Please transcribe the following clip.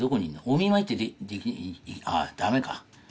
お見舞いってできあっダメか。